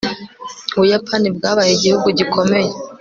ubuyapani bwabaye igihugu gikomeye